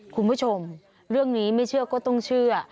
คุณผู้ชมเรื่องนี้ไม่เชื่อก็ต้องเชื่อ